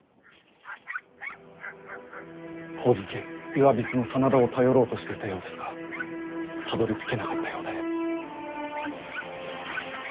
上野岩櫃の真田を頼ろうとしていたようですがたどりつけなかったようで。